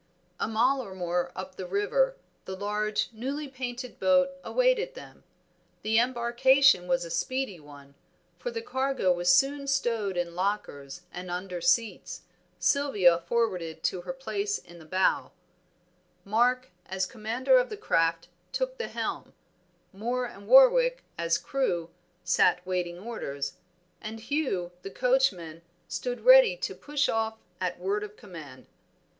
A mile or more up the river the large, newly painted boat awaited them. The embarkation was a speedy one, for the cargo was soon stowed in lockers and under seats, Sylvia forwarded to her place in the bow; Mark, as commander of the craft, took the helm; Moor and Warwick, as crew, sat waiting orders; and Hugh, the coachman, stood ready to push off at word of command.